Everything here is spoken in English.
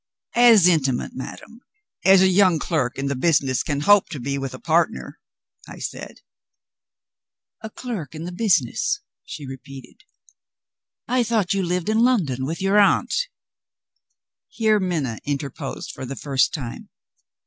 "As intimate, madam, as a young clerk in the business can hope to be with a partner," I said. "A clerk in the business?" she repeated. "I thought you lived in London, with your aunt." Here Minna interposed for the first time.